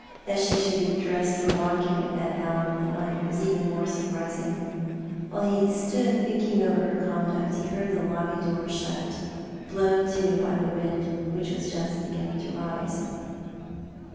That she should be dressed for walk ing at that hour of the night was even more surprising. While he stood thinking over her conduct he heard the lobby door .shut, blown to by the wind which was just beginning to rise.